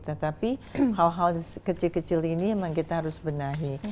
tetapi hal hal kecil kecil ini memang kita harus benahi